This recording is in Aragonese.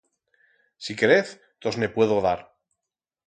Si querez, tos ne puedo dar.